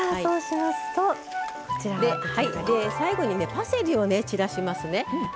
最後にパセリを散らしますね。